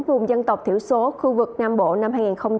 vùng dân tộc thiểu số khu vực nam bộ năm hai nghìn hai mươi